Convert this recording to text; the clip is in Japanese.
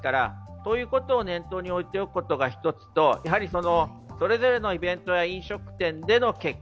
そういうことを念頭に置いておくことが一つと、やはりその、それぞれのイベントや飲食店での結果